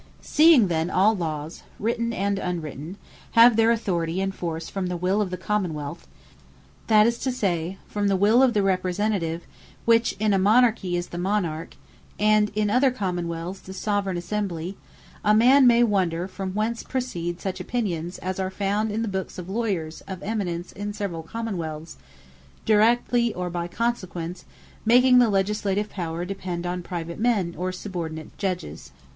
Seeing then all Lawes, written, and unwritten, have their Authority, and force, from the Will of the Common wealth; that is to say, from the Will of the Representative; which in a Monarchy is the Monarch, and in other Common wealths the Soveraign Assembly; a man may wonder from whence proceed such opinions, as are found in the Books of Lawyers of eminence in severall Common wealths, directly, or by consequence making the Legislative Power depend on private men, or subordinate Judges.